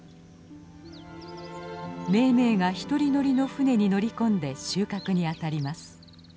めいめいが１人乗りの舟に乗り込んで収穫にあたります。